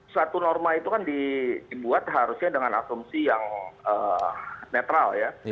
satu norma itu kan dibuat harusnya dengan asumsi yang netral ya